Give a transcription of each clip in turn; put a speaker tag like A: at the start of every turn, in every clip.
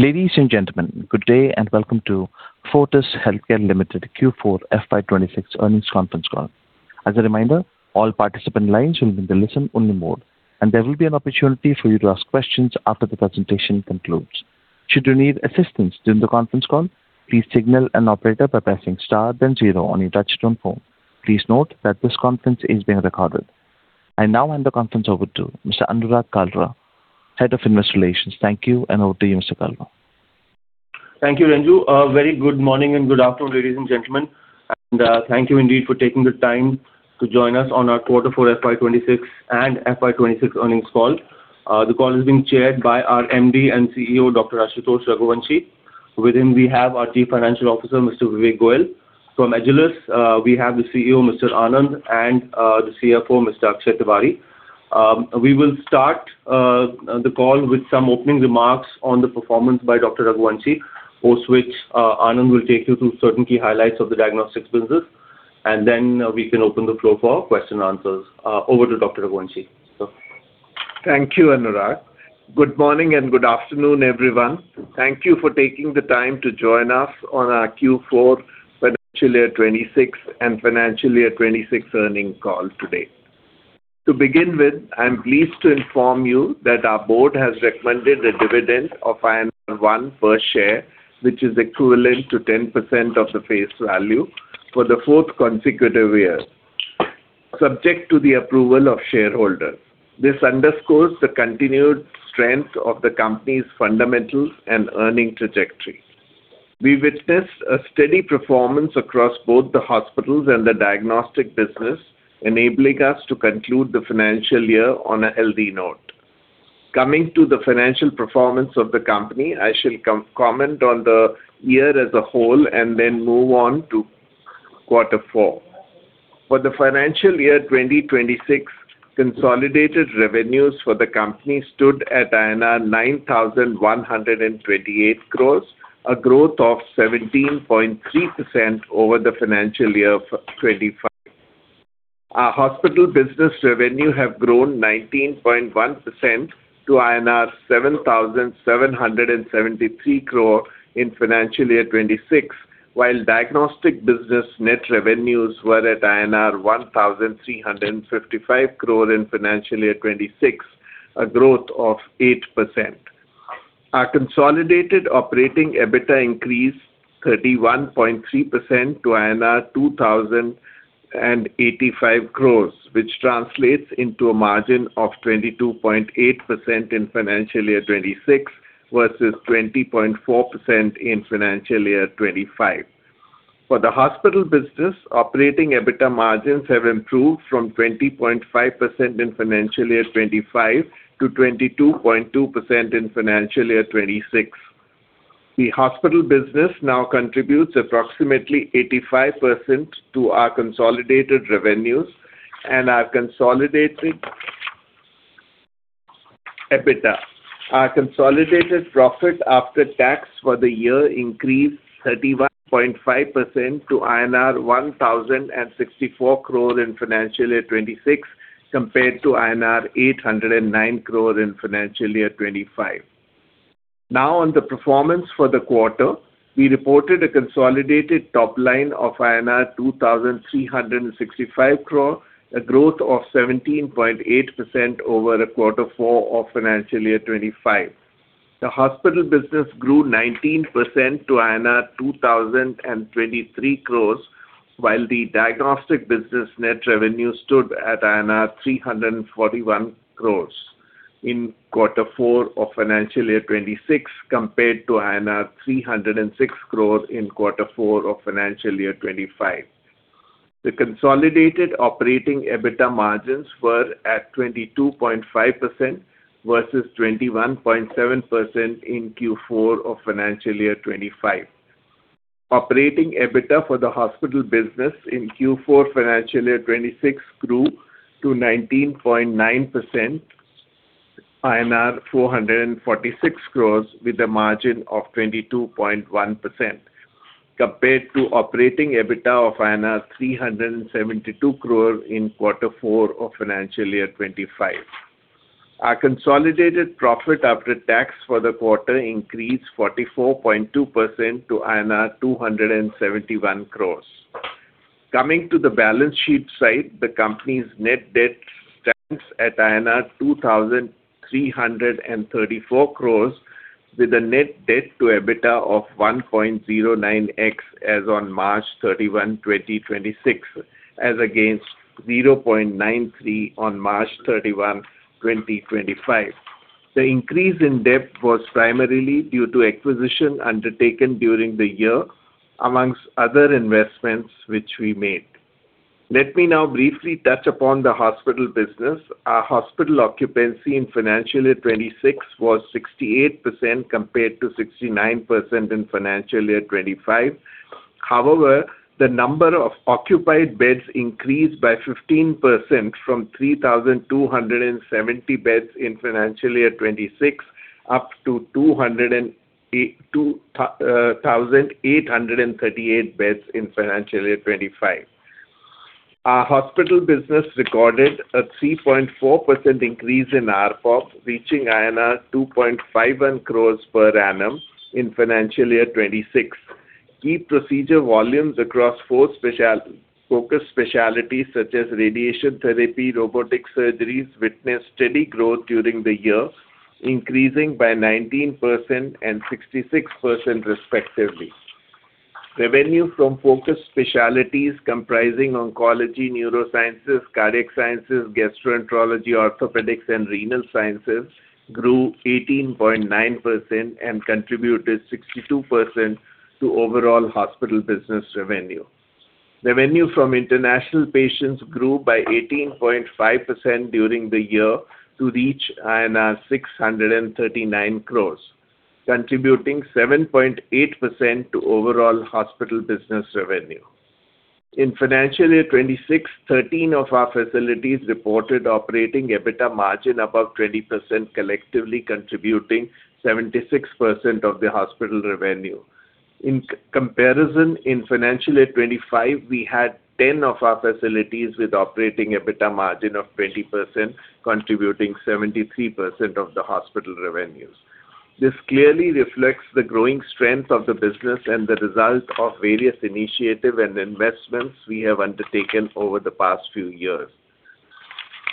A: Ladies and gentlemen, good day and welcome to Fortis Healthcare Limited Q4 FY 2026 earnings conference call. As a reminder, all participant lines will be in listen-only mode. There will be an opportunity for you to ask questions after the presentation concludes. Please note that this conference is being recorded. I now hand the conference over to Mr. Anurag Kalra, Head of Investor Relations. Thank you. Over to you, Mr. Kalra.
B: Thank you, Anju. A very good morning and good afternoon, ladies and gentlemen, and thank you indeed for taking the time to join us on our Quarter four FY 2026 and FY 2026 earnings call. The call is being chaired by our MD and CEO, Dr. Ashutosh Raghuvanshi. With him, we have our Chief Financial Officer, Mr. Vivek Goyal. From Agilus, we have the CEO, Mr. Anand, and the CFO, Mr. Akshay Tiwari. We will start the call with some opening remarks on the performance by Dr. Raghuvanshi, post which Anand will take you through certain key highlights of the diagnostics business, and then we can open the floor for question answers. Over to Dr. Raghuvanshi.
C: Thank you, Anurag. Good morning and good afternoon, everyone. Thank you for taking the time to join us on our Q4 FY 2026 and FY 2026 earnings call today. To begin with, I'm pleased to inform you that our board has recommended a dividend of 1 per share, which is equivalent to 10% of the face value, for the fourth consecutive year, subject to the approval of shareholders. This underscores the continued strength of the company's fundamentals and earnings trajectory. We witnessed a steady performance across both the hospitals and the diagnostic business, enabling us to conclude the financial year on a healthy note. Coming to the financial performance of the company, I shall comment on the year as a whole and then move on to quarter four. For the FY 2026, consolidated revenues for the company stood at INR 9,128 crore, a growth of 17.3% over the FY 2025. Our hospital business revenue have grown 19.1% to INR 7,773 crore in FY 2026, while diagnostic business net revenues were at INR 1,355 crore in FY 2026, a growth of 8%. Our consolidated operating EBITDA increased 31.3% to INR 2,085 crore, which translates into a margin of 22.8% in FY 2026 versus 20.4% in FY 2025. For the hospital business, operating EBITDA margins have improved from 20.5% in FY 2025 to 22.2% in FY 2026. The hospital business now contributes approximately 85% to our consolidated revenues and our consolidated EBITDA. Our consolidated profit after tax for the year increased 31.5% to INR 1,064 crore in FY 2026, compared to INR 809 crore in FY 2025. Now, on the performance for the quarter. We reported a consolidated top line of INR 2,365 crore, a growth of 17.8% over the quarter four of FY 2025. The hospital business grew 19% to 2,023 crores, while the diagnostic business net revenue stood at 341 crores in quarter four of FY 2026 compared to 306 crores in quarter four of FY 2025. The consolidated operating EBITDA margins were at 22.5% versus 21.7% in Q4 of FY 2025. Operating EBITDA for the hospital business in Q4 FY 2026 grew to 19.9%, INR 446 crores with a margin of 22.1%, compared to operating EBITDA of INR 372 crore in quarter four of FY 2025. Our consolidated profit after tax for the quarter increased 44.2% to INR 271 crores. Coming to the balance sheet side, the company's net debt stands at INR 2,334 crores, with a net debt to EBITDA of 1.09X as on 31 March, 2026, as against 0.93 on 31 March, 2025. The increase in debt was primarily due to acquisition undertaken during the year, amongst other investments which we made. Let me now briefly touch upon the hospital business. Our hospital occupancy in financial year 2026 was 68% compared to 69% in financial year 2025. However, the number of occupied beds increased by 15% from 3,270 beds in financial year 2026 up to 2,838 beds in financial year 2025. Our hospital business recorded a 3.4% increase in ARPOB, reaching INR 2.51 crores per annum in financial year 2026. Each procedure volumes across four focused specialties such as radiation therapy, robotic surgeries witnessed steady growth during the year, increasing by 19% and 66% respectively. Revenue from focused specialties comprising oncology, neurosciences, cardiac sciences, gastroenterology, orthopedics, and renal sciences grew 18.9% and contributed 62% to overall hospital business revenue. Revenue from international patients grew by 18.5% during the year to reach 639 crores, contributing 7.8% to overall hospital business revenue. In financial year 2026, 13 of our facilities reported operating EBITDA margin above 20%, collectively contributing 76% of the hospital revenue. In comparison, in financial year 2025, we had 10 of our facilities with operating EBITDA margin of 20%, contributing 73% of the hospital revenues. This clearly reflects the growing strength of the business and the result of various initiatives and investments we have undertaken over the past few years.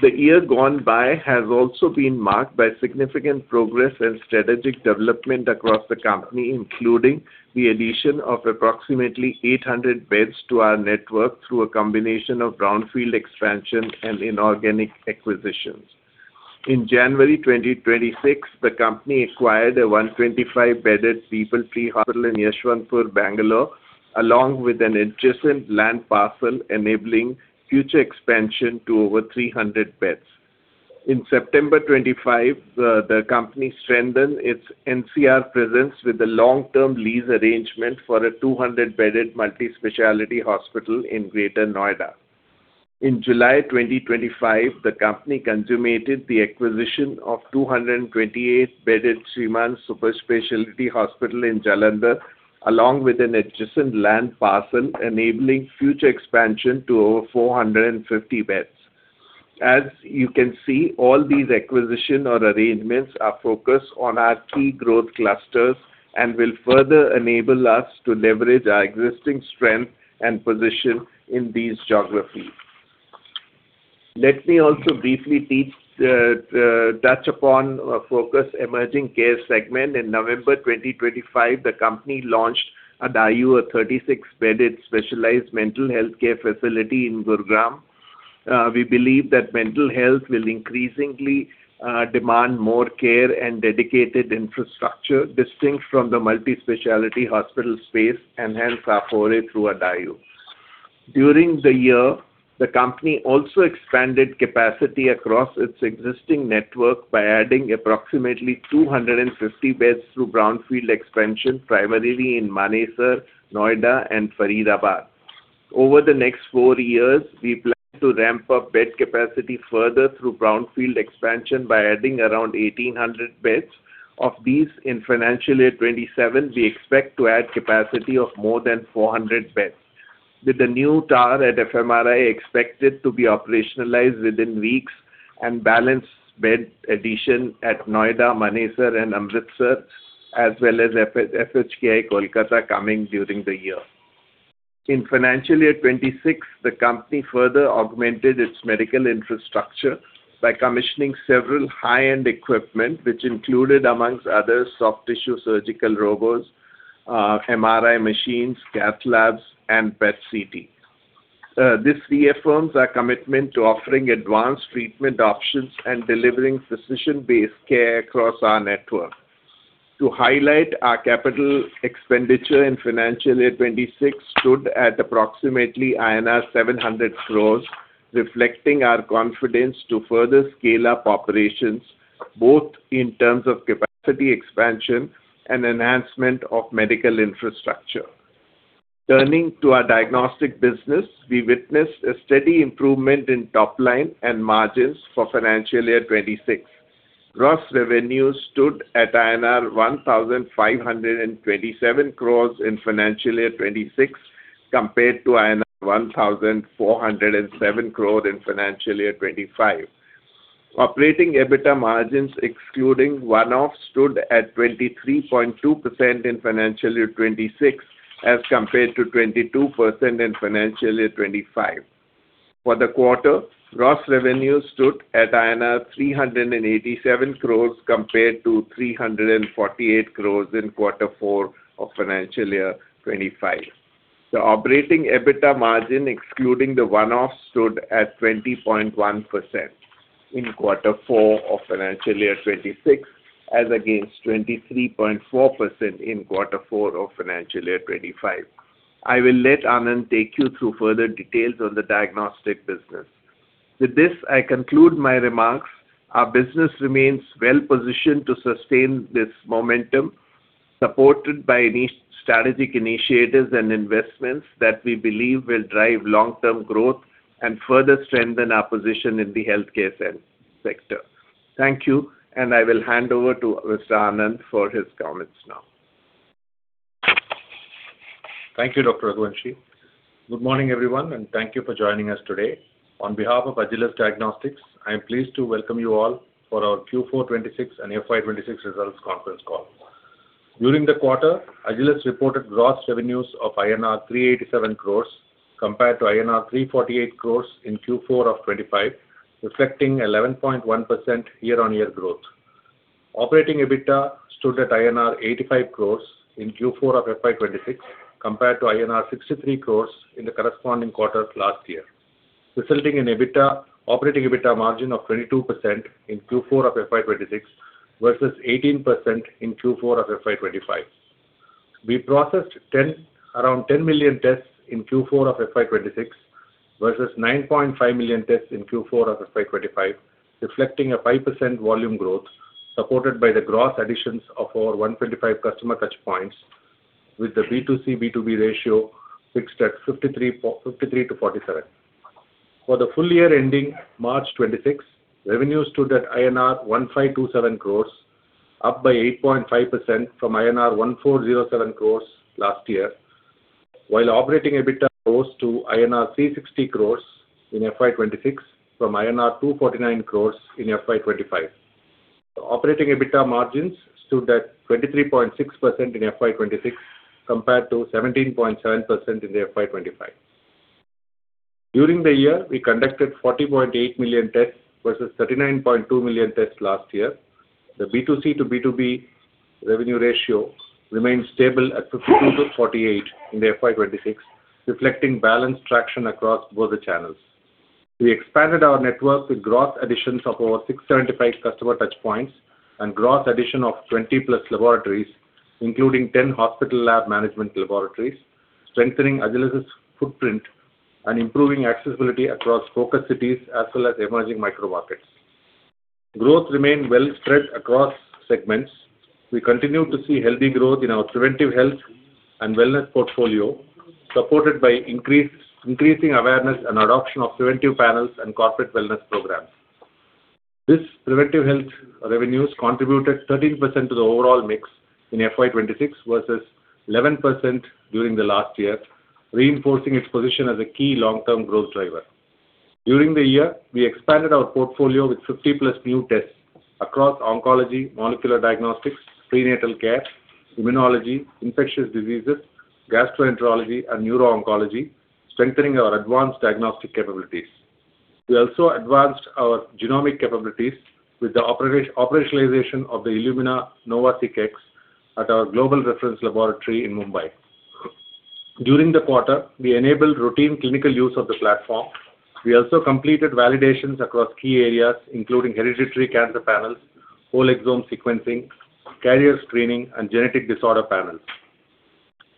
C: The year gone by has also been marked by significant progress and strategic development across the company, including the addition of approximately 800 beds to our network through a combination of brownfield expansion and inorganic acquisitions. In January 2026, the company acquired a 125-bedded People Tree Hospital in Yeshwanthpur, Bangalore along with an adjacent land parcel enabling future expansion to over 300 beds. In September 2025, the company strengthened its NCR presence with a long-term lease arrangement for a 200-bedded multi-specialty hospital in Greater Noida. In July 2025, the company consummated the acquisition of 228-bedded Shrimann Super Specialty Hospital in Jalandhar, along with an adjacent land parcel enabling future expansion to over 450 beds. As you can see, all these acquisitions or arrangements are focused on our key growth clusters and will further enable us to leverage our existing strength and position in these geographies. Let me also briefly touch upon our focused emerging care segment. In November 2025, the company launched Adayu, a 36-bedded specialized mental health care facility in Gurugram. We believe that mental health will increasingly demand more care and dedicated infrastructure distinct from the multi-specialty hospital space hence our foray through Adayu. During the year, the company also expanded capacity across its existing network by adding approximately 250 beds through brownfield expansion, primarily in Manesar, Noida and Faridabad. Over the next four years, we plan to ramp up bed capacity further through brownfield expansion by adding around 1,800 beds. Of these, in FY 2027, we expect to add capacity of more than 400 beds. With the new tower at FMRI expected to be operationalized within weeks and balanced bed addition at Noida, Manesar, and Amritsar, as well as FHKI Kolkata coming during the year. In FY 2026, the company further augmented its medical infrastructure by commissioning several high-end equipment, which included among others soft tissue surgical robots, MRI machines, cath labs, and PET CT. This reaffirms our commitment to offering advanced treatment options and delivering physician-based care across our network. To highlight, our capital expenditure in FY 2026 stood at approximately INR 700 crores, reflecting our confidence to further scale up operations both in terms of capacity expansion and enhancement of medical infrastructure. Turning to our diagnostic business, we witnessed a steady improvement in top line and margins for FY 2026. Gross revenue stood at INR 1,527 crores in FY 2026 compared to INR 1,407 crore in FY 2025. Operating EBITDA margins excluding one-off stood at 23.2% in FY 2026 as compared to 22% in FY 2025. For the quarter, gross revenue stood at INR 387 crores compared to 348 crores in Q4 FY 2025. The operating EBITDA margin excluding the one-off stood at 20.1% in Q4 FY 2026, as against 23.4% in Q4 FY 2025. I will let Anand take you through further details on the diagnostic business. With this, I conclude my remarks. Our business remains well-positioned to sustain this momentum, supported by strategic initiatives and investments that we believe will drive long-term growth and further strengthen our position in the healthcare sector. Thank you, and I will hand over to Mr. Anand for his comments now.
D: Thank you, Dr. Raghuvanshi. Good morning, everyone, and thank you for joining us today. On behalf of Agilus Diagnostics, I'm pleased to welcome you all for our Q4 FY 2026 and FY 2026 results conference call. During the quarter, Agilus reported gross revenues of INR 387 crores compared to INR 348 crores in Q4 of FY 2025, reflecting 11.1% year-on-year growth. Operating EBITDA stood at INR 85 crores in Q4 of FY 2026 compared to INR 63 crores in the corresponding quarter last year, resulting in operating EBITDA margin of 22% in Q4 of FY 2026 versus 18% in Q4 of FY 2025. We processed around 10 million tests in Q4 of FY 2026 versus 9.5 million tests in Q4 of FY 2025, reflecting a 5% volume growth supported by the gross additions of our 125 customer touchpoints with the B2C, B2B ratio fixed at 53 to 47. For the full year ending March 2026, revenue stood at INR 1,527 crores, up by 8.5% from INR 1,407 crores last year, while operating EBITDA rose to INR 360 crores in FY 2026 from INR 249 crores in FY 2025. Operating EBITDA margins stood at 23.6% in FY 2026 compared to 17.7% in FY 2025. During the year, we conducted 40.8 million tests versus 39.2 million tests last year. The B2C to B2B revenue ratio remains stable at 52-48 in FY 2026, reflecting balanced traction across both the channels. We expanded our network with gross additions of over 625 customer touchpoints and gross addition of 20 plus laboratories, including 10 hospital lab management laboratories, strengthening Agilus' footprint and improving accessibility across focus cities as well as emerging micro markets. Growth remained well spread across segments. We continue to see healthy growth in our preventive health and wellness portfolio, supported by increasing awareness and adoption of preventive panels and corporate wellness programs. This preventive health revenues contributed 13% of the overall mix in FY26 versus 11% during the last year, reinforcing its position as a key long-term growth driver. During the year, we expanded our portfolio with 50+ new tests across oncology, molecular diagnostics, prenatal care, immunology, infectious diseases, gastroenterology, and neuro-oncology, cementing our advanced diagnostic capabilities. We also advanced our genomic capabilities with the operationalization of the Illumina NovaSeq X at our global reference laboratory in Mumbai. During the quarter, we enabled routine clinical use of the platform. We also completed validations across key areas including hereditary cancer panels, whole exome sequencing, carrier screening, and genetic disorder panels.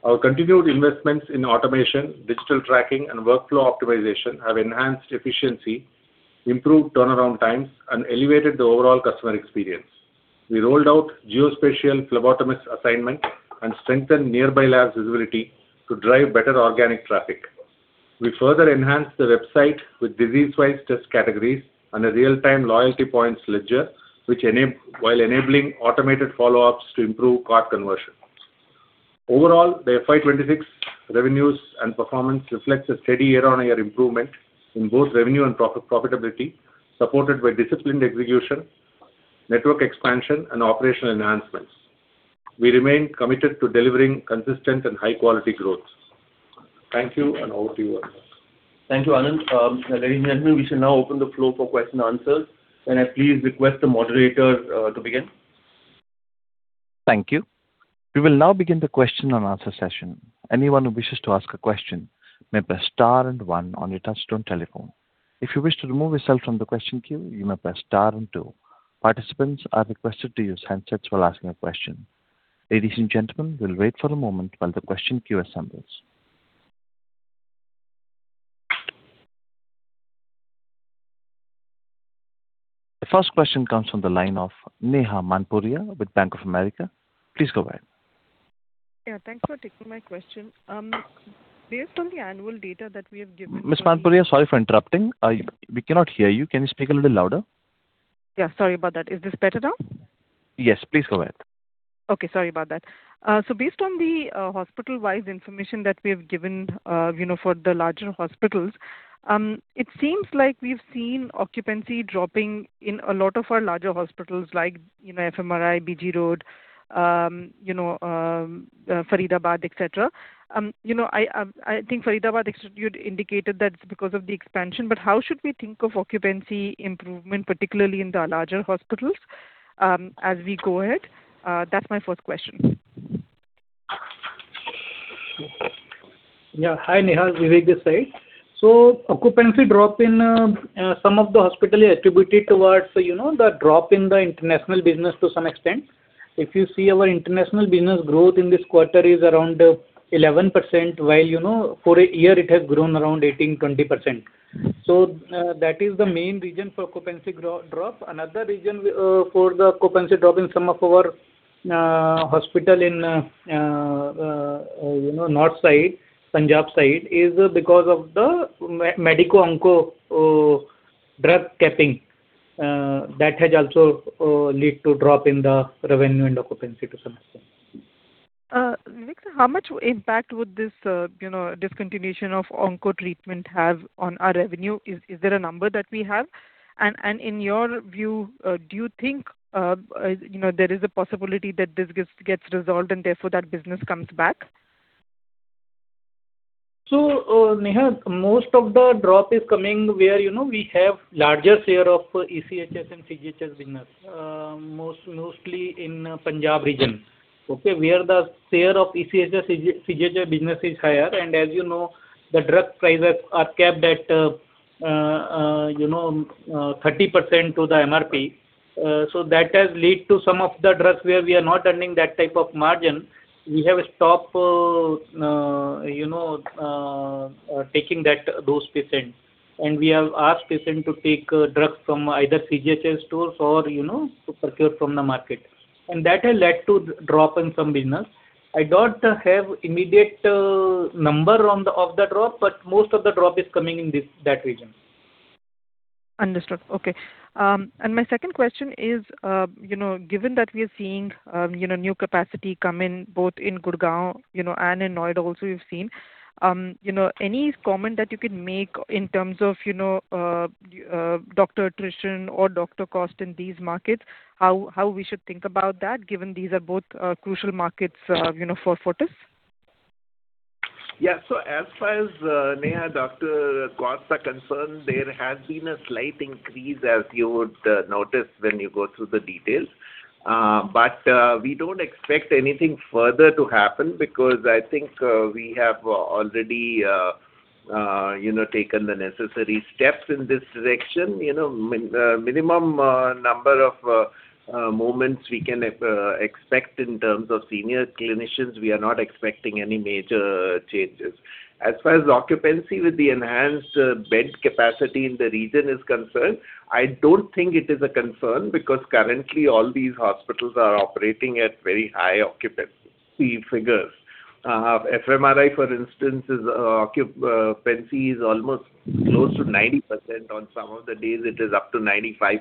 D: Our continued investments in automation, digital tracking, and workflow optimization have enhanced efficiency, improved turnaround times, and elevated the overall customer experience. We rolled out geospatial phlebotomist assignment and strengthened nearby lab visibility to drive better organic traffic. We further enhanced the website with disease-wise test categories and a real-time loyalty points ledger while enabling automated follow-ups to improve cart conversion.
B: Overall, the FY 2026 revenues and performance reflects a steady year-on-year improvement in both revenue and profitability, supported by disciplined execution, network expansion, and operational enhancements. We remain committed to delivering consistent and high-quality growth. Thank you, and over to you, Anand. Thank you, Anand. Ladies and gentlemen, we shall now open the floor for question and answers. Can I please request the moderator to begin?
A: Thank you. We will now begin the question and answer session. Participants are requested to use headsets while asking a question. Ladies and gentlemen, we will wait for a moment while the question queue assembles. The first question comes from the line of Neha Manpuria with Bank of America. Please go ahead.
E: Yeah, thanks for taking my question. Based on the annual data that we have given-
A: Ms. Manpuria, sorry for interrupting. We cannot hear you. Can you speak a little louder?
E: Yeah, sorry about that. Is this better now?
A: Yes, please go ahead.
E: Okay, sorry about that. Based on the hospital-wise information that we've given for the larger hospitals, it seems like we've seen occupancy dropping in a lot of our larger hospitals like FMRI, BG Road, Faridabad, etc. I think Faridabad Institute indicated that it's because of the expansion. How should we think of occupancy improvement, particularly in the larger hospitals as we go ahead? That's my first question.
F: Yeah. Hi, Neha. Vivek this side. Occupancy drop in some of the hospital attributed towards the drop in the international business to some extent. If you see our international business growth in this quarter is around 11%, while for a year it has grown around 18, 20%. That is the main reason for occupancy drop. Another reason for the occupancy drop in some of our hospital in north side, Punjab side is because of the medico onco drug capping. That has also led to drop in the revenue and occupancy to some extent.
E: Neha, how much impact would this discontinuation of onco treatment have on our revenue? Is there a number that we have? In your view, do you think there is a possibility that this gets resolved and therefore that business comes back?
F: Neha, most of the drop is coming where we have larger share of ECHS and CGHS business, mostly in Punjab region, okay, where the share of ECHS and CGHS business is higher. As you know, the drug prices are capped at 30% to the MRP. That has led to some of the drugs where we are not earning that type of margin. We have stopped taking those patients, and we have asked patients to take drugs from either CGHS stores or to procure from the market, and that has led to drop in some business. I don't have immediate number of the drop, but most of the drop is coming in that region.
E: Understood. Okay. My second question is, given that we are seeing new capacity come in both in Gurgaon and in Noida also we've seen, any comment that you can make in terms of doctor attrition or doctor cost in these markets? How we should think about that given these are both crucial markets for Fortis.
C: Yeah. As far as, Neha, doctor costs are concerned, there has been a slight increase as you would notice when you go through the details. We don't expect anything further to happen because I think we have already taken the necessary steps in this direction. Minimum number of movements we can expect in terms of senior clinicians, we are not expecting any major changes. As far as occupancy with the enhanced bed capacity in the region is concerned, I don't think it is a concern because currently all these hospitals are operating at very high occupancy figures. FMRI, for instance, its occupancy is almost close to 90%. On some of the days it is up to 95%,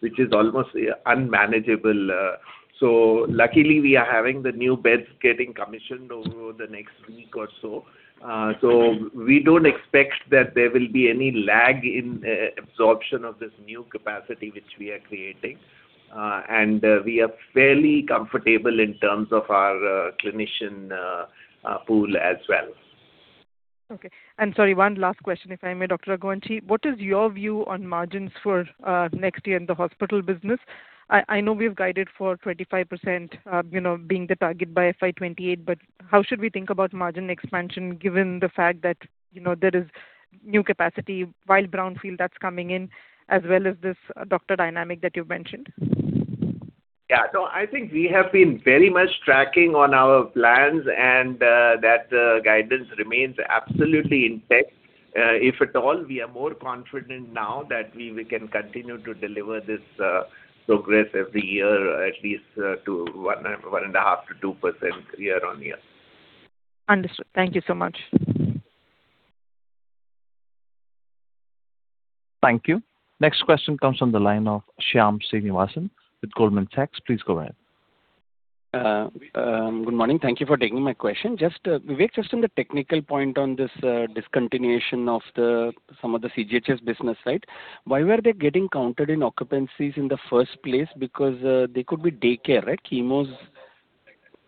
C: which is almost unmanageable. Luckily, we are having the new beds getting commissioned over the next week or so.
F: We don't expect that there will be any lag in absorption of this new capacity which we are creating. We are fairly comfortable in terms of our clinician pool as well.
E: Okay. Sorry, one last question if I may, Dr. Govindan. What is your view on margins for next year in the hospital business? I know we've guided for 25% being the target by FY 2028, how should we think about margin expansion given the fact that there is new capacity, wide brownfield that's coming in as well as this doctor dynamic that you mentioned?
C: Yeah. I think we have been very much tracking on our plans, and that guidance remains absolutely intact. If at all, we are more confident now that we can continue to deliver this progress every year at least to 1.5%-2% year-on-year.
E: Understood. Thank you so much.
A: Thank you. Next question comes from the line of Shyam Srinivasan with Goldman Sachs. Please go ahead.
G: Good morning. Thank you for taking my question. Just Vivek, on the technical point on this discontinuation of some of the CGHS business, right. Why were they getting counted in occupancies in the first place? Because they could be daycare, right? Chemos.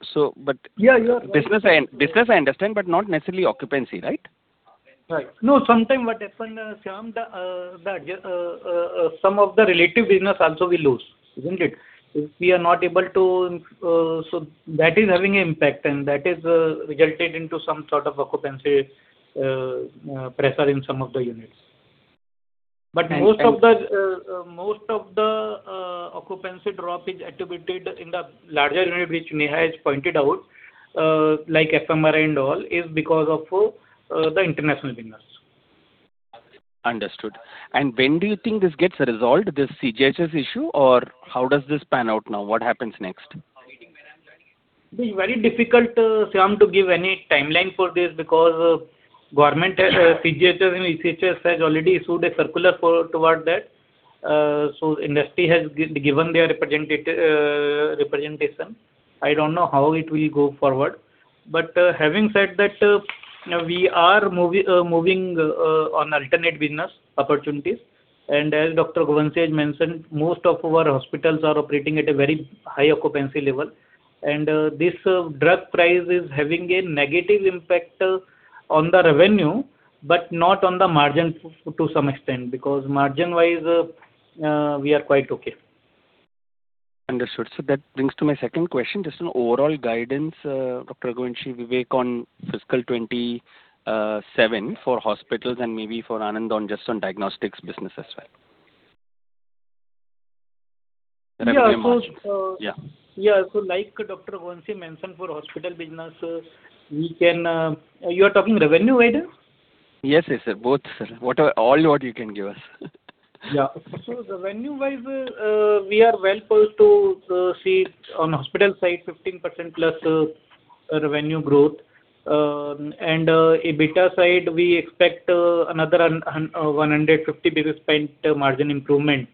G: This was, I understand, but not necessarily occupancy, right?
F: Right. No, sometimes, Shyam, some of the elective business also we lose, isn't it? That is having impact, and that is resulting into some sort of occupancy pressure in some of the units. Most of the occupancy drop is attributed in the larger unit which Neha has pointed out, like FMRI and all is because of the international business.
G: Understood. When do you think this gets resolved, this CGHS issue, or how does this pan out now? What happens next?
F: It is very difficult, Shyam, to give any timeline for this because government had CGHS and ECHS has already issued a circular toward that. Industry has given their representation. I don't know how it will go forward. Having said that, we are moving on alternate business opportunities. As Dr. Govindan mentioned, most of our hospitals are operating at a very high occupancy level, and this drug price is having a negative impact on the revenue, but not on the margin to some extent, because margin wise we are quite okay.
G: Understood. That brings me to my second question. Just an overall guidance, Dr. Govindan, Vivek Goyal on FY 2027 for hospitals and maybe for Anand on just on diagnostics business as well.
F: Yeah. Like Dr. Govindan mentioned for hospital business, we can. You're talking revenue guide?
G: Yes, sir. Both, sir. All what you can give us.
F: The revenue wise, we are well poised to see on hospital side, 15%+ revenue growth. EBITDA side, we expect another 150 basis point margin improvement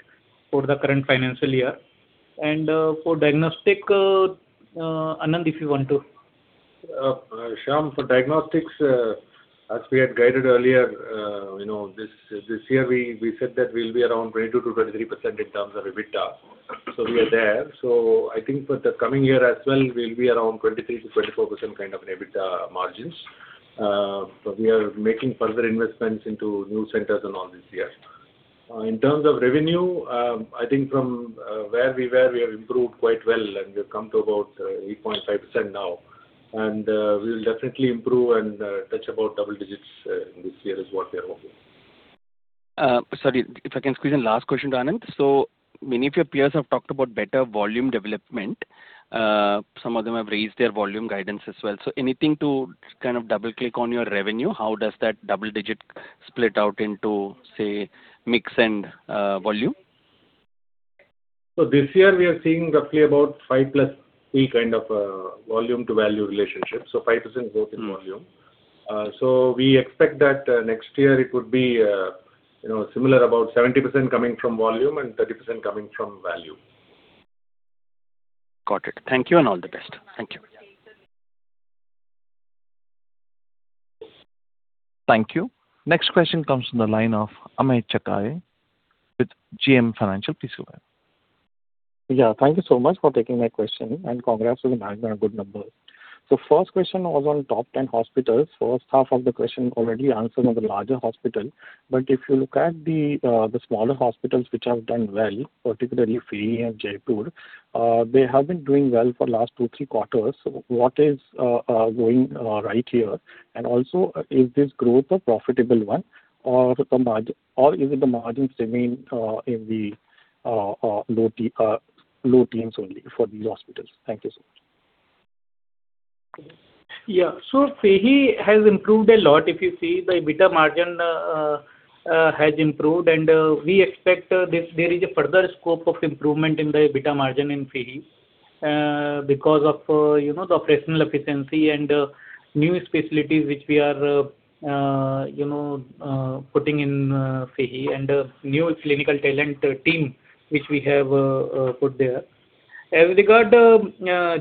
F: for the current financial year. For diagnostic, Anand, if you want to
D: Shyam, for diagnostics, as we had guided earlier, this year we said that we'll be around 22%-23% in terms of EBITDA, so we are there. I think for the coming year as well, we'll be around 23%-24% kind of EBITDA margins. We are making further investments into new centers and all this year. In terms of revenue, I think from where we were, we have improved quite well, and we have come to about 8.5% now. We will definitely improve and touch about double digits this year is what we are hoping.
G: Sorry, if I can squeeze in last question, Anand. Many of your peers have talked about better volume development. Some of them have raised their volume guidance as well. Anything to kind of double-click on your revenue? How does that double digit split out into, say, mix and volume?
D: This year, we are seeing roughly about 5 plus 3 kind of volume to value relationship, so 5% growth in volume. We expect that next year it would be similar, about 70% coming from volume and 30% coming from value.
G: Got it. Thank you, and all the best. Thank you.
A: Thank you. Next question comes from the line of Amit Chakkare with JM Financial
H: Yeah, thank you so much for taking my question, and congrats on the margin. Good number. First question was on top 10 hospitals. First half of the question already answered on the larger hospital. If you look at the smaller hospitals which have done well, particularly FEHI and Jaipur, they have been doing well for last two, three quarters. What is going right here? Also, is this growth a profitable one or is it the margins remain in the low teens only for these hospitals? Thank you so much.
F: Yeah. FEHI has improved a lot. If you see the EBITDA margin has improved, and we expect there is a further scope of improvement in the EBITDA margin in FEHI because of the operational efficiency and new specialties which we are putting in FEHI and new clinical talent team which we have put there. As regard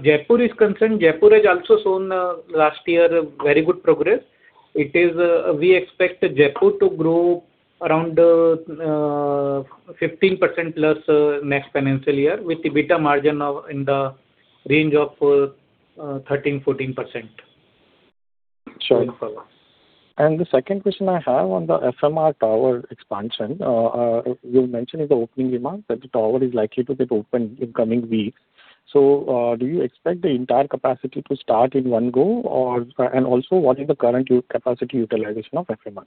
F: Jaipur is concerned, Jaipur has also shown last year very good progress. We expect Jaipur to grow around 15% plus next financial year with EBITDA margin in the range of 13%-14% going forward.
H: Sure. The second question I have on the FMRI tower expansion. You mentioned in the opening remarks that the tower is likely to get opened in coming weeks. Do you expect the entire capacity to start in one go? Also, what is the current capacity utilization of FMRI?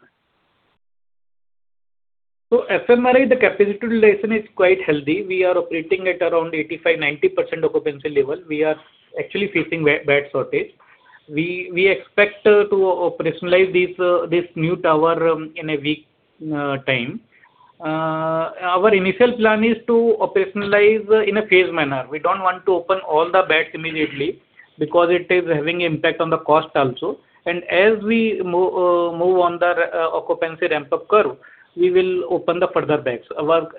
F: FMRI, the capacity utilization is quite healthy. We are operating at around 85%, 90% occupancy level. We are actually facing bed shortage. We expect to operationalize this new tower in a one week time. Our initial plan is to operationalize in a phased manner. We don't want to open all the beds immediately because it is having impact on the cost also. As we move on the occupancy ramp-up curve, we will open the further beds.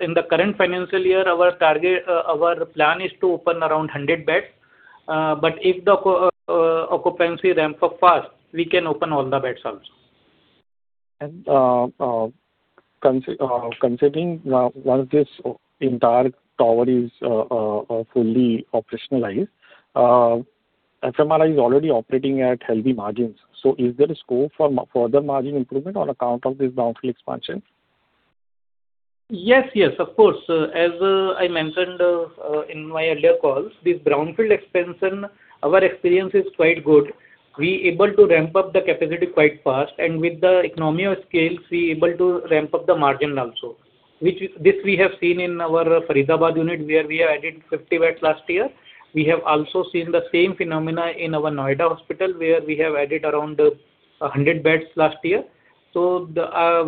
F: In the current financial year, our plan is to open around 100 beds. If the occupancy ramps up fast, we can open all the beds also.
H: Considering once this entire tower is fully operationalized, FMRI is already operating at healthy margins. Is there a scope for further margin improvement on account of this brownfield expansion?
F: Yes, of course. As I mentioned in my earlier calls, this brownfield expansion, our experience is quite good. We able to ramp up the capacity quite fast, and with the economy of scale, we able to ramp up the margin also. This we have seen in our Faridabad unit where we added 50 beds last year. We have also seen the same phenomena in our Noida hospital, where we have added around 100 beds last year.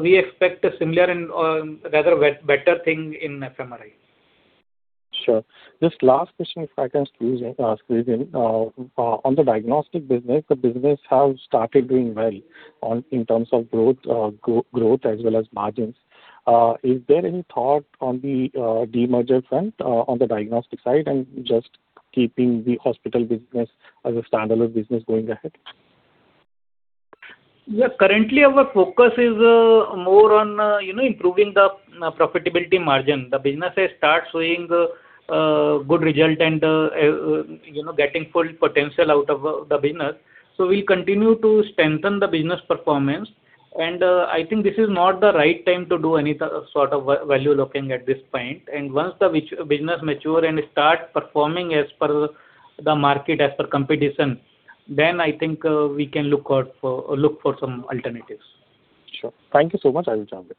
F: We expect a similar and rather better thing in FMRI.
H: Sure. Last question, if I can squeeze in. On the diagnostic business, the business has started doing well in terms of growth as well as margins. Is there any thought on the demerger front on the diagnostic side and just keeping the hospital business as a standalone business going ahead?
F: Yeah, currently our focus is more on improving the profitability margin. The business has start showing good result and getting full potential out of the business. We'll continue to strengthen the business performance, and I think this is not the right time to do any sort of value-locking at this point. Once the business mature and start performing as per the market, as per competition, then I think we can look for some alternatives.
H: Sure. Thank you so much. I will jump in.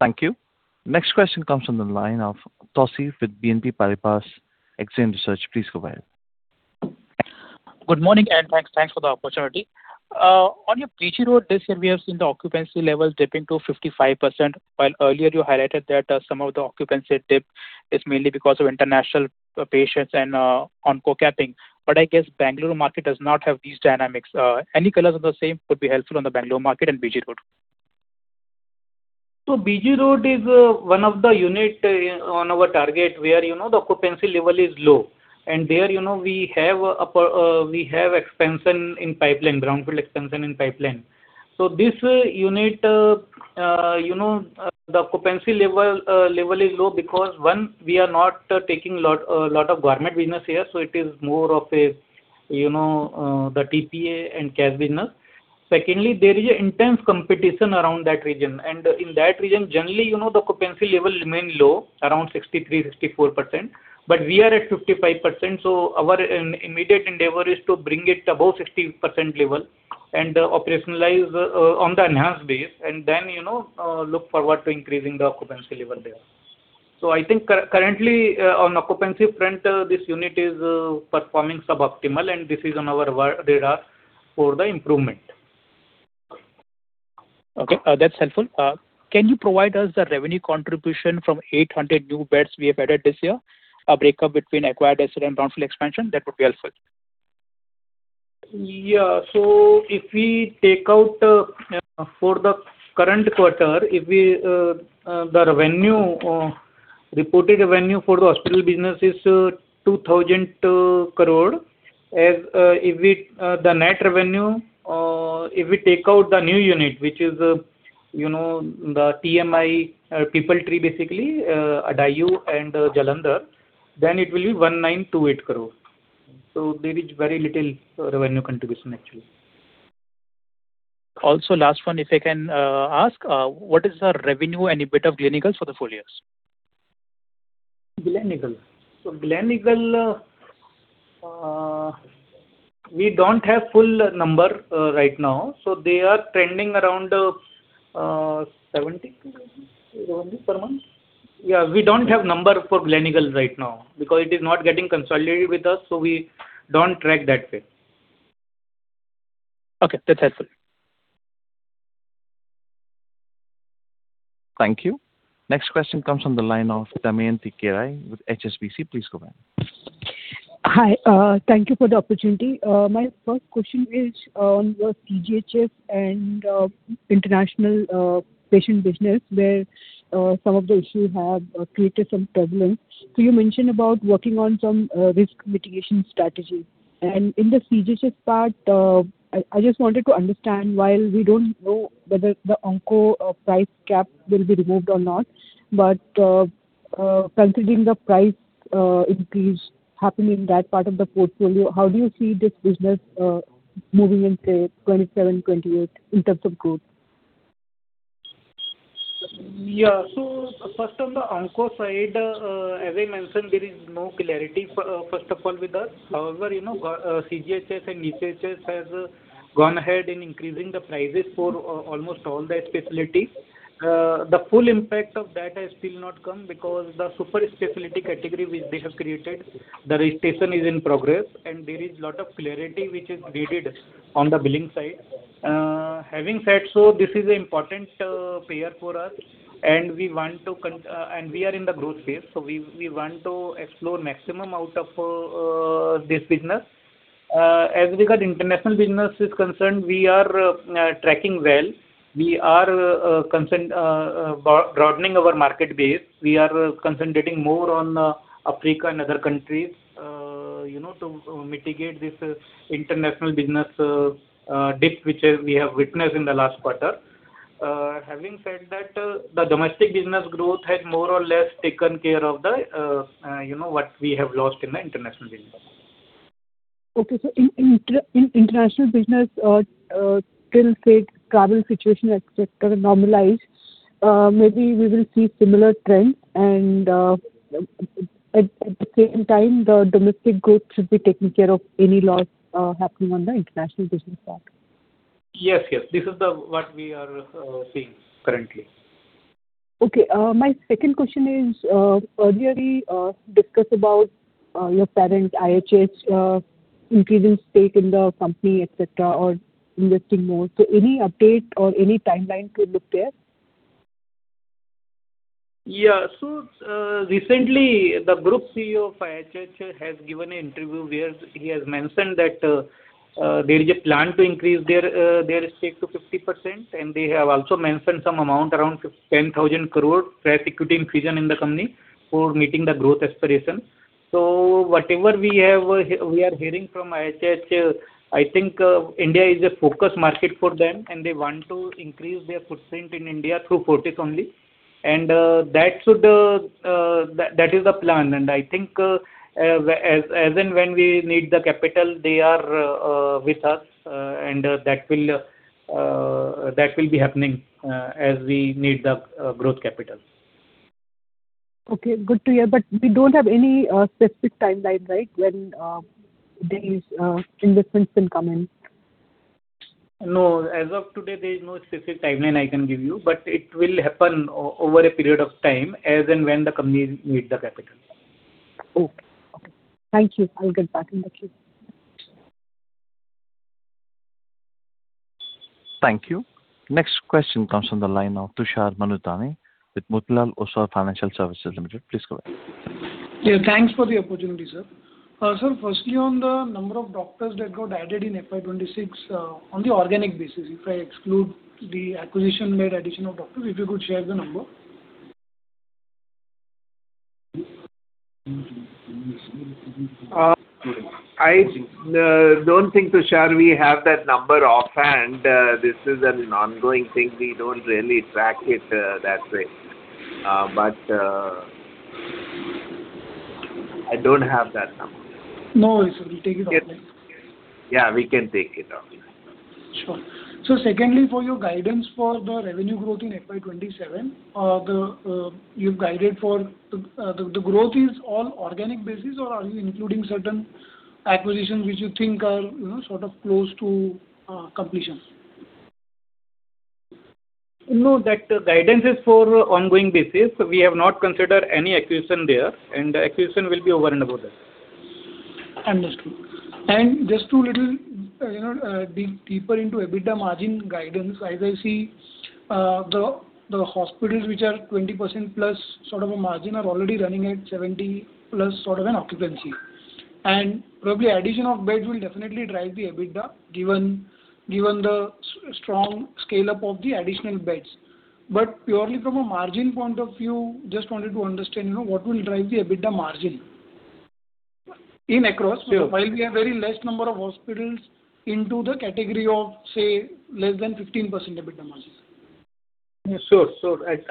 A: Thank you. Next question comes from the line of Toshiya with BNP Paribas Exane Research. Please go ahead.
I: Good morning, everyone. Thanks for the opportunity. On your BG Road, we have seen the occupancy levels dipping to 55%, while earlier you highlighted that some of the occupancy dip is mainly because of international patients and on co-capping. I guess Bangalore market does not have these dynamics. Any colors on the same could be helpful on the Bangalore market and BG Road.
F: BG Road is one of the unit on our target where the occupancy level is low, and there we have ground rent expansion in pipeline. This unit, the occupancy level is low because, one, we are not taking a lot of government business here, so it is more of the TPA and cash business. Secondly, there is intense competition around that region. In that region, generally, the occupancy level remain low, around 63%-64%. We are at 55%, so our immediate endeavor is to bring it above 60% level and operationalize on the enhanced base, and then look forward to increasing the occupancy level there. I think currently on occupancy front, this unit is performing suboptimal, and this is on our radar for the improvement.
I: Okay, that is helpful. Can you provide us the revenue contribution from 800 new beds we added this year, a breakup between acquired asset and ground rent expansion, that would be helpful.
F: Yeah. If we take out for the current quarter, the reported revenue for the hospital business is 2,000 crore. As if the net revenue, if we take out the new unit, which is the TMI People Tree, basically, Adayu and Jalandhar, then it will be 1,928 crore. There is very little revenue contribution, actually.
I: Also, last one, if I can ask, what is our revenue and EBITDA Gleneagles for the full year?
F: Gleneagles. Gleneagles, we don't have full number right now. They are trending around 70 million rupees, around this per annum. Yeah, we don't have number for Gleneagles right now because it is not getting consolidated with us, so we don't track that way.
I: Okay, that's helpful.
A: Thank you. Next question comes from the line of Damayanti Kerai with HSBC. Please go ahead.
J: Hi. Thank you for the opportunity. My first question is on your CGHS and international patient business, where some of the issues have created some turbulence. You mentioned about working on some risk mitigation strategy. In the CGHS part, I just wanted to understand, while we don't know whether the ONCO price cap will be removed or not, but considering the price increase happening in that part of the portfolio, how do you see this business moving in say, 2027, 2028 in terms of growth?
F: First on the onco side, as I mentioned, there is no clarity, first of all, with us. However, CGHS and ECHS has gone ahead in increasing the prices for almost all their specialties. The full impact of that has still not come because the super specialty category which they have created, the registration is in progress, and there is lot of clarity which is needed on the billing side. Having said so, this is an important player for us, and we are in the growth phase, so we want to explore maximum out of this business. As regard international business is concerned, we are tracking well. We are broadening our market base. We are concentrating more on Africa and other countries to mitigate this international business dip which we have witnessed in the last quarter. The domestic business growth has more or less taken care of what we have lost in the international business.
J: Okay. In international business, till say COVID situation, et cetera, normalize, maybe we will see similar trends, and at the same time, the domestic growth should be taking care of any loss happening on the international business part.
F: Yes. This is what we are seeing currently.
J: Okay. My second question is, earlier you discussed about your parent, IHH, increasing stake in the company, et cetera, or investing more. Any update or any timeline could look there?
F: Yeah. Recently, the group CEO of IHH has given an interview where he has mentioned that there is a plan to increase their stake to 50%, and they have also mentioned some amount around 10,000 crore for executing vision in the company for meeting the growth aspiration. Whatever we are hearing from IHH, I think India is a focus market for them, and they want to increase their footprint in India through Fortis only. That is the plan, and I think as and when we need the capital, they are with us, That will be happening as we need the growth capital.
J: Okay, good to hear. We don't have any specific timeline, right? When these investments will come in?
F: No. As of today, there's no specific timeline I can give you, but it will happen over a period of time as and when the company needs the capital.
J: Okay. Thank you. I'll get back in touch with you.
A: Thank you. Next question comes from the line of Tushar Manudhane with Motilal Oswal Financial Services Limited. Please go ahead.
K: Thanks for the opportunity, sir. Sir, firstly, on the number of doctors that got added in FY 2026 on the organic basis, if I exclude the acquisition-led addition of doctors, if you could share the number.
F: I don't think, Tushar, we have that number offhand. This is an ongoing thing. We don't really track it that way. I don't have that number.
K: No worries. We'll take it offline.
F: We can take it offline.
K: Sure. Secondly, for your guidance for the revenue growth in FY 2027, the growth is on organic basis, or are you including certain acquisitions which you think are sort of close to completion?
F: No, that guidance is for ongoing basis. We have not considered any acquisition there. The acquisition will be over and above that.
K: Understood. Just to dig deeper into EBITDA margin guidance, as I see the hospitals which are 20%+ sort of a margin are already running at 70%+ sort of an occupancy, probably addition of beds will definitely drive the EBITDA, given the strong scale-up of the additional beds. Purely from a margin point of view, just wanted to understand what will drive the EBITDA margin in across-
F: Sure
K: while we have very less number of hospitals into the category of, say, less than 15% EBITDA margin.
F: Sure.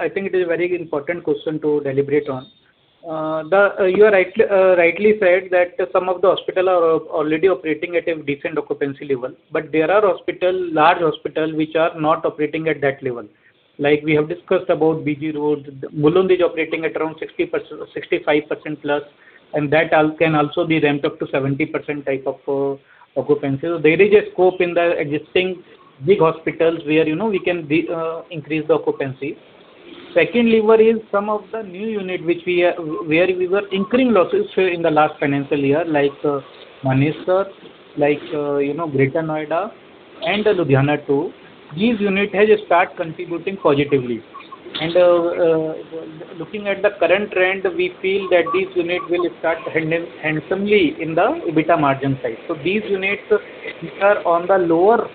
F: I think it is a very important question to deliberate on. You rightly said that some of the hospitals are already operating at a decent occupancy level, but there are large hospitals which are not operating at that level. Like we have discussed about BG Road, Mulund is operating at around 65% plus. That can also be ramped up to 70% type of occupancy. There is a scope in the existing big hospitals where we can increase the occupancy. Secondly, where in some of the new unit where we were incurring losses during the last financial year, like Manesar, like Greater Noida, and Ludhiana 2. These units have started contributing positively. Looking at the current trend, we feel that these units will start earning handsomely in the EBITDA margin side. These units which are on the lower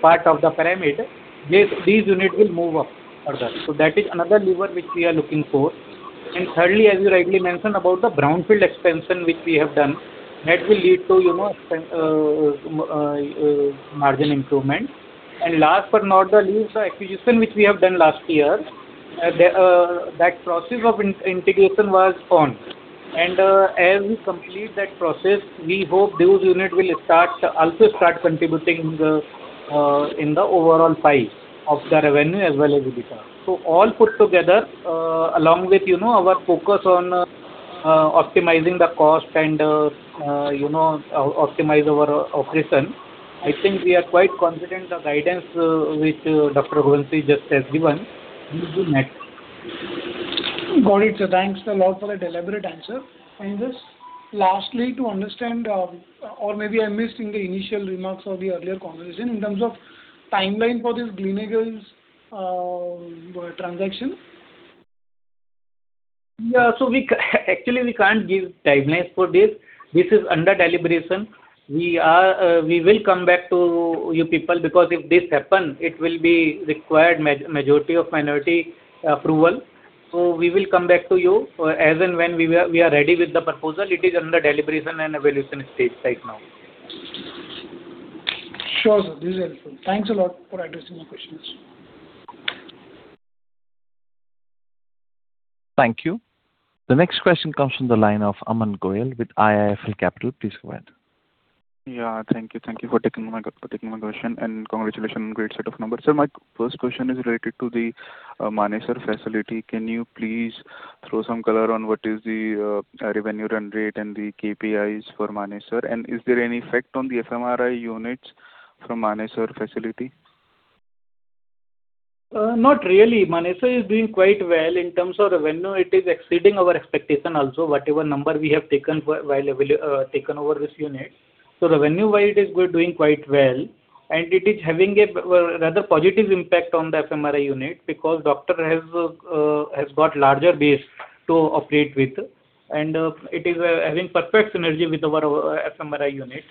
F: part of the pyramid, these units will move up further. That is another lever which we are looking for. Thirdly, as you rightly mentioned about the brownfield expansion which we have done, that will lead to margin improvement. Last but not the least, the acquisition which we have done last year, that process of integration was on. As we complete that process, we hope those units will also start contributing in the overall pie of the revenue as well as EBITDA. All put together, along with our focus on optimizing the cost and optimize our occupancy, I think we are quite confident the guidance which Dr. Rohit just has given will be met.
K: Got it. Thanks a lot for the deliberate answer. Just lastly, to understand, or maybe I'm missing the initial remarks or the earlier conversation in terms of timeline for this Gleneagles transaction.
F: Yeah. Actually, we can't give timeline for this. This is under deliberation. We will come back to you people because if this happens, it will be required majority of minority approval. We will come back to you as and when we are ready with the proposal. It is under deliberation and evaluation stage right now.
K: Sure, sir. This is helpful. Thanks a lot for addressing my questions.
A: Thank you. The next question comes from the line of Aman Goyal with IIFL Capital. Please go ahead.
L: Yeah, thank you. Thank you for taking my question. Congratulations on great set of numbers. Sir, my first question is related to the Manesar facility. Can you please throw some color on what is the revenue run rate and the KPIs for Manesar? Is there any effect on the FMRI units from Manesar facility?
F: Not really. Manesar is doing quite well in terms of revenue. It is exceeding our expectation also, whatever number we have taken over this unit. The revenue-wise it is doing quite well, and it is having a rather positive impact on the FMRI unit because doctor has got larger base to operate with, and it is having perfect synergy with our FMRI unit.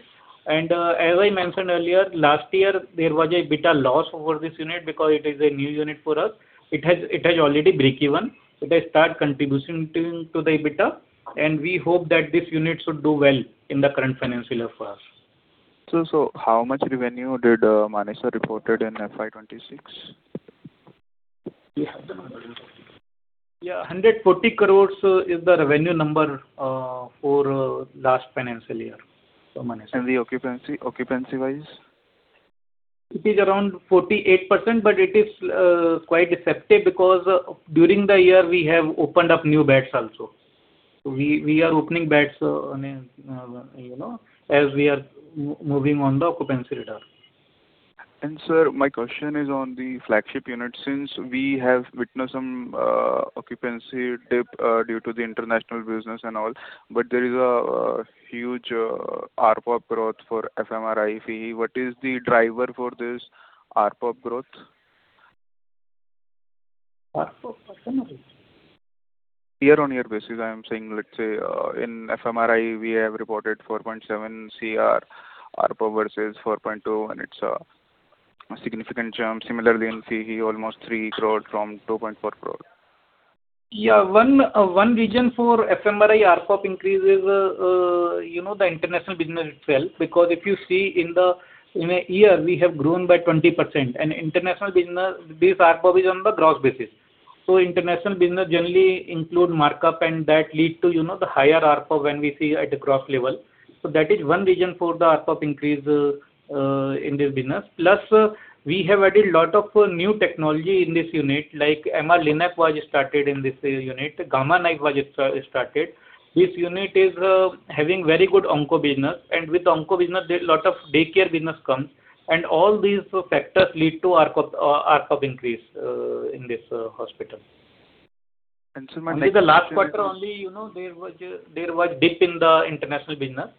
F: As I mentioned earlier, last year, there was a EBITDA loss over this unit because it is a new unit for us. It has already breakeven. It has start contributing to the EBITDA, we hope that this unit should do well in the current financial year for us.
L: How much revenue did Manesar reported in FY 2026?
F: We have the numbers. Yeah, 140 crores is the revenue number for last financial year for Manesar.
L: The occupancy-wise?
F: It is around 48%, but it is quite effective because during the year we have opened up new beds also. We are opening beds as we are moving on the occupancy radar.
L: Sir, my question is on the flagship unit, since we have witnessed some occupancy dip due to the international business and all, but there is a huge ARPA growth for FMRI fee. What is the driver for this ARPA growth?
F: ARPA for FMRI.
L: Year-on-year basis, I am saying, let's say in FMRI, we have reported 4.7 cr ARPA versus 4.2 cr. It's a significant jump. Similarly, MC almost 3 cr from 2.4 cr.
F: One reason for FMRI ARPA increase is the international business itself. If you see in a year, we have grown by 20%, and this ARPA is on the gross basis. International business generally include markup, and that leads to the higher ARPA when we see at a gross level. That is one reason for the ARPA increase in this business. We have added a lot of new technology in this unit, like MR-Linac was started in this unit. Gamma Knife was started. This unit is having very good onco business, and with onco business, there a lot of daycare business comes, and all these factors lead to ARPA increase in this hospital.
L: Sir, my next question.
F: In the last quarter only, there was a dip in the international business,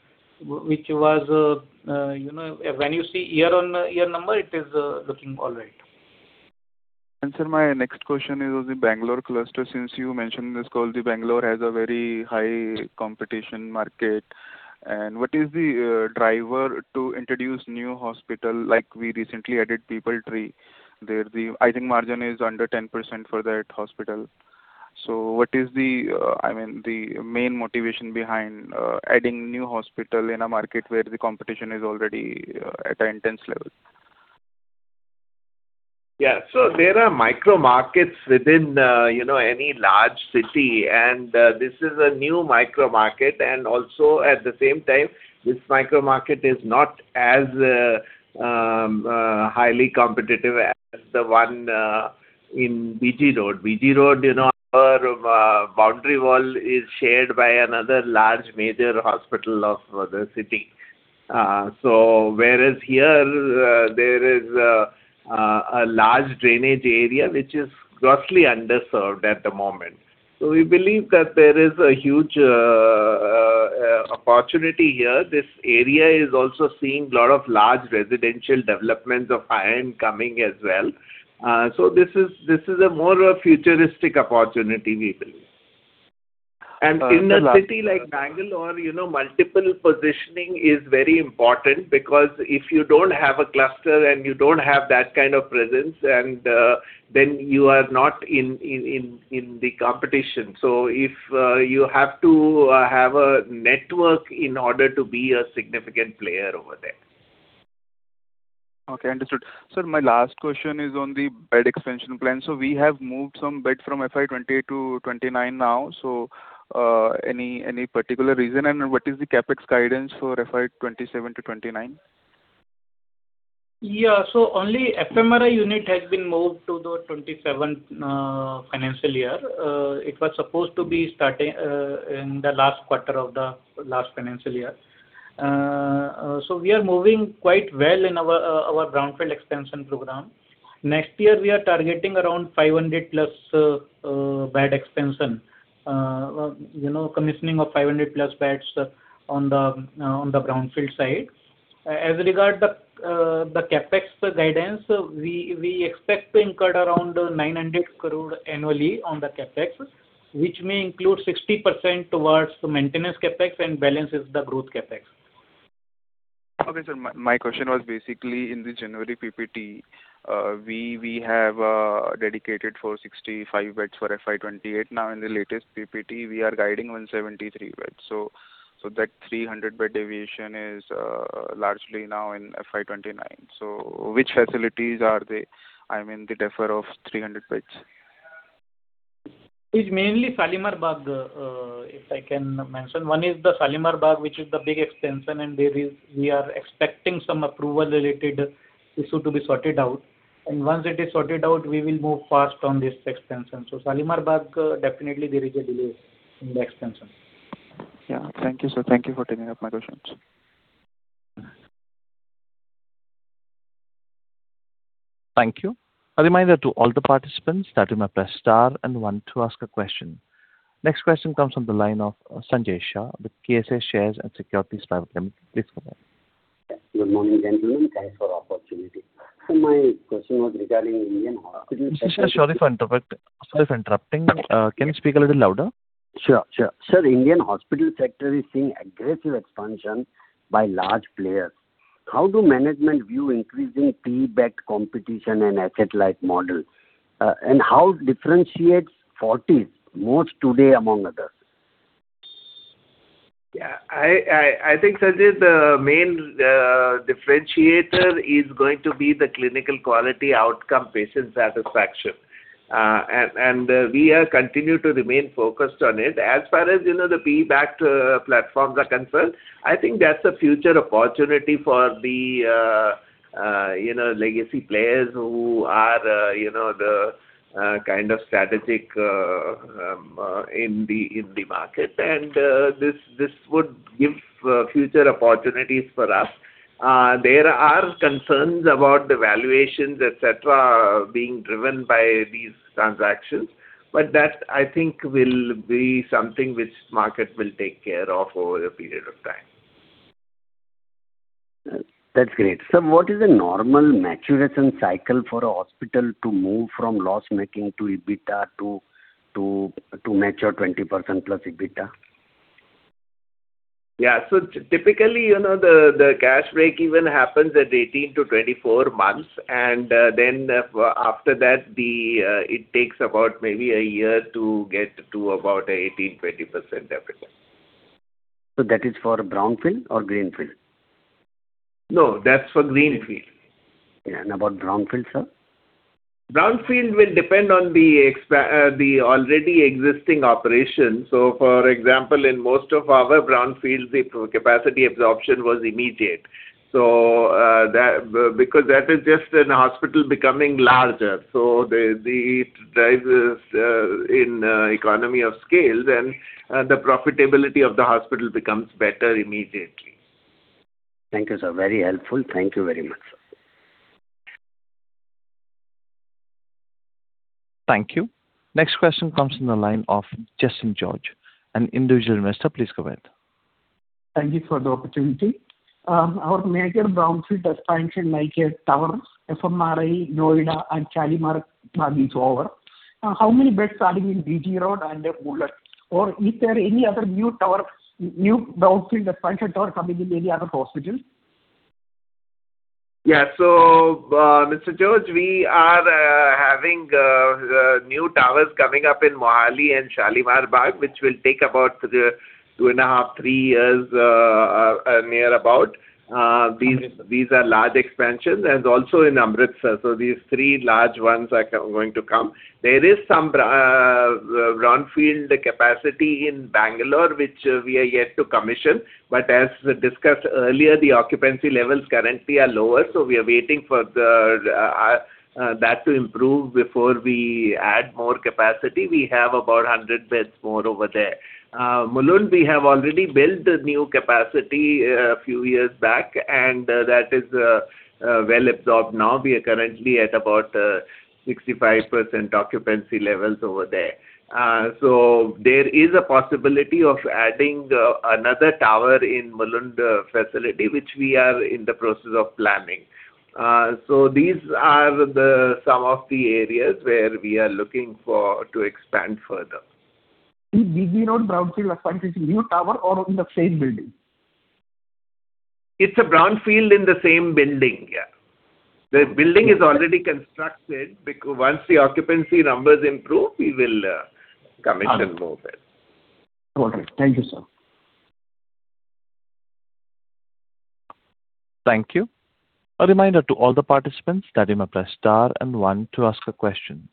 F: which was when you see year-over-year number, it is looking all right.
L: Sir, my next question is on the Bangalore cluster. Since you mentioned this call, Bangalore has a very high competition market. What is the driver to introduce new hospital, like we recently added PeopleTree. I think margin is under 10% for that hospital. What is the main motivation behind adding new hospital in a market where the competition is already at an intense level?
C: Yeah. There are micro markets within any large city, and this is a new micro market, and also at the same time, this micro market is not as highly competitive as the one in BG Road. BG Road boundary wall is shared by another one large major hospital of the city. Whereas here, there is a large drainage area which is grossly underserved at the moment. We believe that there is a huge opportunity here. This area is also seeing a lot of large residential developments of high-end coming as well. This is a more of a futuristic opportunity, we believe. In a city like Bangalore, multiple positioning is very important because if you don't have a cluster and you don't have that kind of presence, then you are not in the competition.
F: You have to have a network in order to be a significant player over there.
L: Okay, understood. Sir, my last question is on the bed expansion plan. We have moved some beds from FY 2020 to 2029 now. Any particular reason and what is the CapEx guidance for FY 2027 to 2029?
F: Only FMRI unit has been moved to the 2027 financial year. It was supposed to be starting in the last quarter of the last financial year. We are moving quite well in our brownfield expansion program. Next year, we are targeting around 500+ bed expansion, commissioning of 500+ beds on the brownfield side. As regards the CapEx guidance, we expect to incur around 900 crore annually on the CapEx, which may include 60% towards the maintenance CapEx and balance is the growth CapEx.
L: Okay, sir. My question was basically in the January PPT, we have dedicated for 65 beds for FY 2028. In the latest PPT, we are guiding on 73 beds. That 300-bed deviation is largely now in FY 2029. Which facilities are they in the defer of 300 beds?
F: It's mainly Shalimar Bagh, if I can mention. One is the Shalimar Bagh, which is the big expansion, and we are expecting some approval related issue to be sorted out. Once it is sorted out, we will move fast on this expansion. Shalimar Bagh, definitely there is a delay in the expansion.
L: Yeah. Thank you, sir. Thank you for taking up my questions.
A: Thank you. A reminder to all the participants that you may press star and one to ask a question. Next question comes on the line of Sanjay Shah with KSA Shares & Securities Private Limited. Please go ahead.
M: Good morning, gentlemen. Thanks for the opportunity. My question was regarding Indian hospital-
A: Mr. Shah, sorry for interrupting. Can you speak a little louder?
M: Sure. Sir, Indian hospital sector is seeing aggressive expansion by large players. How do management view increasing PE-backed competition and asset-light model? How differentiates Fortis most today among others?
F: Yeah. I think, Sanjay, the main differentiator is going to be the clinical quality outcome, patient satisfaction.
C: We are continuing to remain focused on it. As far as the payback platforms are concerned, I think that is a future opportunity for the legacy players who are strategic in the market. This would give future opportunities for us. There are concerns about the valuations, et cetera, being driven by these transactions, but that, I think, will be something which market will take care of over a period of time.
M: That's great. Sir, what is the normal maturation cycle for a hospital to move from loss-making to EBITDA to mature 20%+ EBITDA?
C: Yeah. typically, the cash break-even happens at 18-24 months, and then after that, it takes about maybe a year to get to about 18%-20% EBITDA.
M: That is for brownfield or greenfield?
C: No, that's for greenfield.
M: About brownfield, sir?
C: Brownfield will depend on the already existing operation. For example, in most of our brownfields, the capacity absorption was immediate. That is just a hospital becoming larger, so it rises in economy of scale, then the profitability of the hospital becomes better immediately.
M: Thank you, sir. Very helpful. Thank you very much.
A: Thank you. Next question comes from the line of Justin George, an individual investor. Please go ahead.
N: Thank you for the opportunity. Our major brownfield expansion like FMRI, Noida, and Shalimar Bagh is over. How many beds starting in BG Road and Mulund? Is there any other new brownfield expansion tower coming in any other hospitals?
C: Yeah. Mr. George, we are having new towers coming up in Mohali and Shalimar Bagh, which will take about two and a half, three years near about. These are large expansions, and also in Amritsar. These three large ones are going to come. There is some brownfield capacity in Bangalore, which we are yet to commission. As we discussed earlier, the occupancy levels currently are lower, we are waiting for that to improve before we add more capacity. We have about 100 beds more over there. Mulund, we have already built the new capacity a few years back, and that is well absorbed now. We are currently at about 65% occupancy levels over there. There is a possibility of adding another tower in Mulund facility, which we are in the process of planning. These are some of the areas where we are looking to expand further.
N: In BG Road brownfield expansion, new tower or in the same building?
C: It's a brownfield in the same building, yeah. The building is already constructed. Once the occupancy numbers improve, we will commission more beds.
N: Okay. Thank you, sir.
A: Thank you. A reminder to all the participants, dial number star and one to ask a question.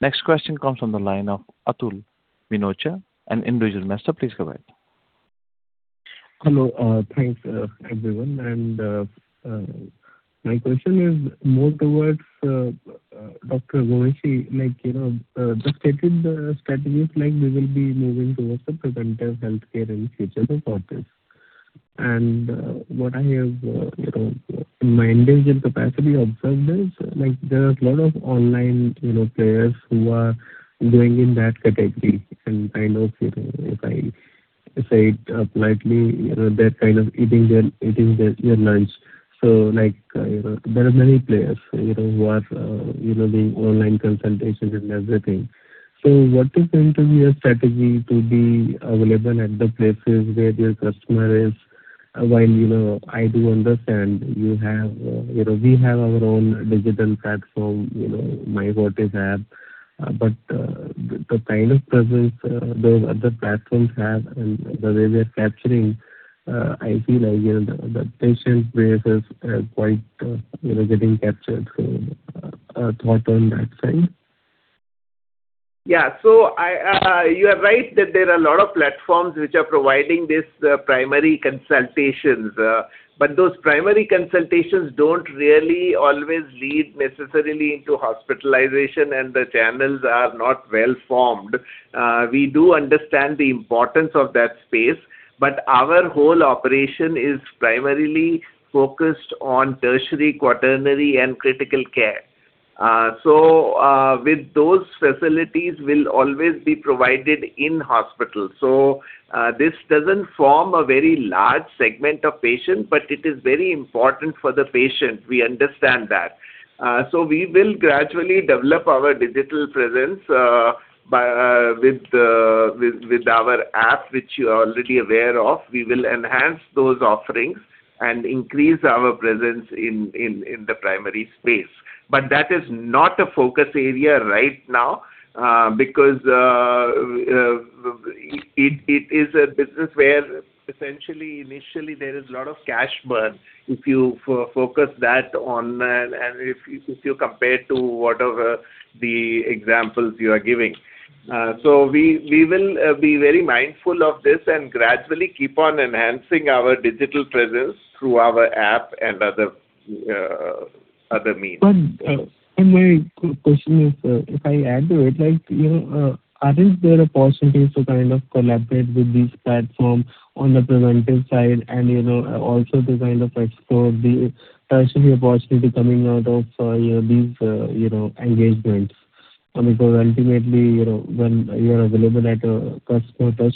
A: Next question comes on the line of Atul Minocha, an individual investor. Please go ahead.
O: Hello. Thanks, everyone. My question is more towards Dr. Gowrishankar. The strategic plan will be moving towards the preventive healthcare in future for Fortis. What I have, in my individual capacity, observed is there are a lot of online players who are going in that category, and kind of, if I say it politely, they're kind of eating their lunch. There are many players who are doing online consultations and everything. What is going to be a strategy to be available at the places where your customer is? While I do understand we have our own digital platform, myFortis app, but the kind of presence those other platforms have and the way they're capturing, I feel like the patient base is quite getting captured. A thought on that side.
C: Yeah. You're right that there are a lot of platforms which are providing these primary consultations. Those primary consultations don't really always lead necessarily into hospitalization, and the channels are not well-formed. We do understand the importance of that space, but our whole operation is primarily focused on tertiary, quaternary, and critical care. With those facilities will always be provided in hospital. This doesn't form a very large segment of patient, but it is very important for the patient. We understand that. We will gradually develop our digital presence with our app, which you're already aware of. We will enhance those offerings and increase our presence in the primary space. That is not a focus area right now because it is a business where initially there is a lot of cash burn if you focus that on and if you compare to whatever the examples you are giving. We will be very mindful of this and gradually keep on enhancing our digital presence through our app and other means.
O: My question is, if I add to it, are there possibilities to collaborate with these platforms on the preventive side and also to explore the tertiary possibility coming out of these engagements? Ultimately, when you're available at a customer touch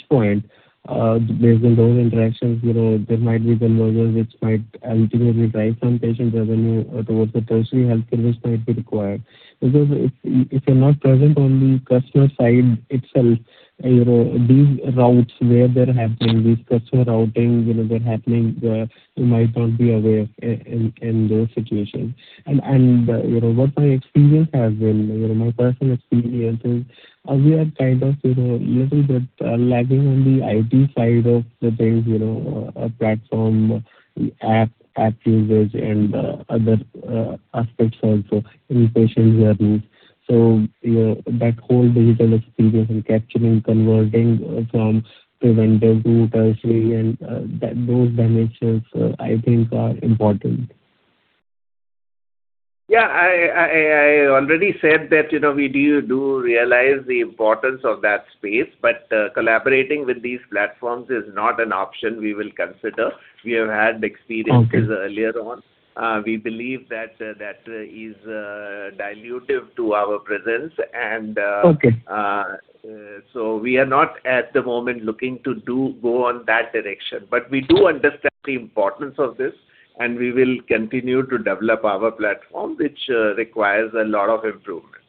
O: point, based on those interactions, there might be the models which might ultimately drive some patient revenue towards the tertiary healthcare which might be required. If you're not present on the customer side itself, these routes where they're happening, these customer routing, they're happening, you might not be aware in those situations. What my experience has been, my personal experience is we are a little bit lagging on the IT side of the things, platform, app usage, and other aspects also in patient journeys. That whole digital experience of capturing, converting from preventive to tertiary and those dimensions, I think are important.
C: Yeah. I already said that we do realize the importance of that space, but collaborating with these platforms is not an option we will consider. We have had experiences earlier on. We believe that is dilutive to our presence and.
O: Okay
C: We are not at the moment looking to go on that direction. We do understand the importance of this, and we will continue to develop our platform, which requires a lot of improvement.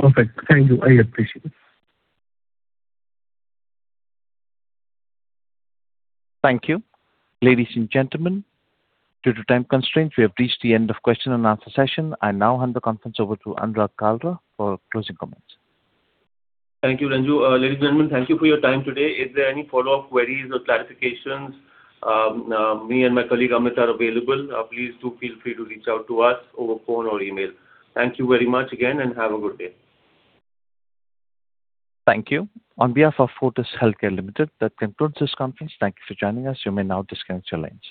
O: Perfect. Thank you. I appreciate it.
A: Thank you. Ladies and gentlemen, due to time constraints, we have reached the end of question and answer session. I now hand the conference over to Anurag Kalra for closing comments.
B: Thank you, Anju. Ladies and gentlemen, thank you for your time today. If there are any follow-up queries or clarifications, me and my colleague, Amit, are available. Please do feel free to reach out to us over phone or email. Thank you very much again, and have a good day.
A: Thank you. On behalf of Fortis Healthcare Limited, that concludes this conference. Thank you for joining us. You may now disconnect your line.